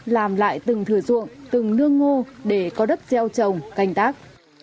làm lại từng thừa ruộng từng nương ngô để có đất gieo trồng canh tác